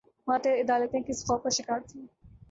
ماتحت عدالتیں کس خوف کا شکار تھیں؟